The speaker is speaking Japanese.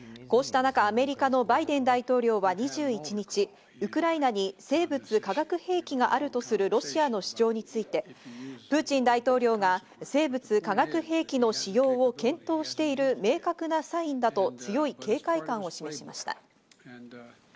こうした中、アメリカのバイデン大統領は２１日、ウクライナに生物化学兵器があるとするロシアの主張についてプーチン大統領が生物化学兵器の使用を検討している明確なサインだと強い警戒感を示しました。